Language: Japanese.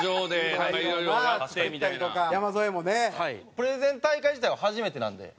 プレゼン大会自体は初めてなんで。